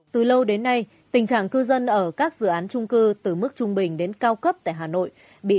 từ lâu đến nay tình trạng cư dân ở các dự án trung cư từ mức trung bình đến cao cấp tại hà nội